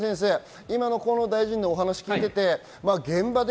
河野大臣の話を聞いていて、現場で。